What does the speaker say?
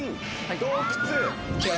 洞窟。